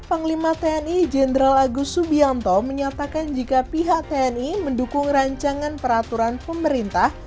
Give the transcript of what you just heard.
panglima tni jenderal agus subianto menyatakan jika pihak tni mendukung rancangan peraturan pemerintah